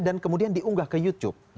dan kemudian diunggah ke youtube